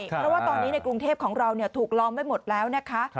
เพราะว่าตอนนี้ในกรุงเทพของเราถูกล้อมไว้หมดแล้วนะคะ